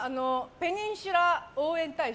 ペニンシュラ応援大使。